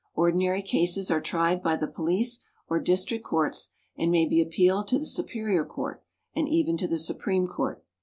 Ordinary cases are tried by the Police or District Courts and may be appealed to the Superior Court and even to the Supreme Court.